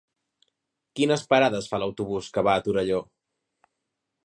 Quines parades fa l'autobús que va a Torelló?